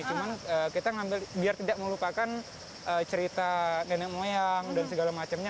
cuman kita ngambil biar tidak melupakan cerita nenek moyang dan segala macamnya